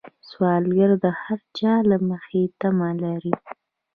سوالګر د هر چا له مخې تمه لري